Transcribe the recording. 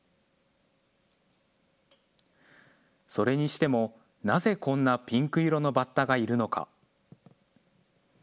それにしても、なぜ、こんなピンク色のバッタがいるのか。